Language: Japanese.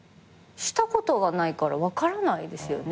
したことがないから分からないですよね。